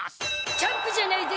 チャンプじゃないぜ！